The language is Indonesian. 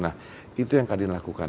nah itu yang kadin lakukan